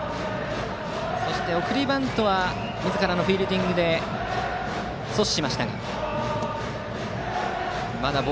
そして送りバントはみずからのフィールディングで阻止しました。